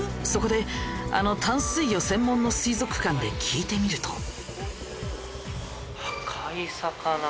そこであの淡水魚専門の水族館で聞いてみると。